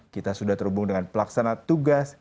kita sudah terhubung dengan pelaksana tugas